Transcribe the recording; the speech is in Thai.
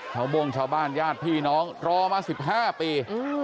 โบ้งชาวบ้านญาติพี่น้องรอมา๑๕ปี